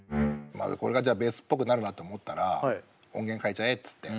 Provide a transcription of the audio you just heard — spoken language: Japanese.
これがじゃあベースっぽくなるなって思ったら音源変えちゃえっつって。